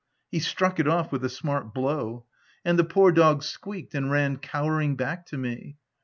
He struck it off with a smart blow ; and the poor dog OF WILDFELL HALL. 89 squeaked, and ran cowering back to me.